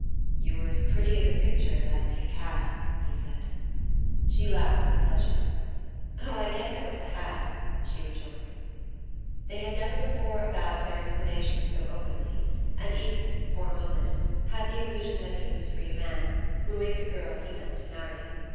"You were as pretty as a picture in that pink hat," he said. She laughed with pleasure. "Oh, I guess it was the hat!" she rejoined. They had never before avowed their inclination so openly, and Ethan, for a moment, had the illusion that he was a free man, wooing the girl he meant to marry.